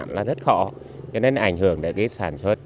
nó rất khó cho nên ảnh hưởng đến sản xuất